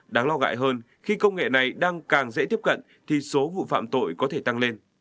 đáng lo gại hơn khi công nghệ này đang càng dễ tiếp cận thì số vụ phạm tội có thể tăng lên